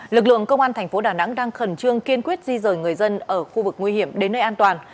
lực lượng công an thành phố đà nẵng đang khẩn trương kiên quyết di rời người dân ở khu vực nguy hiểm đến nơi an toàn